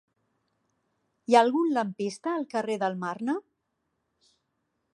Hi ha algun lampista al carrer del Marne?